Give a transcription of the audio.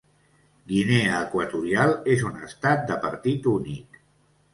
Guinea Equatorial és un estat de partit únic.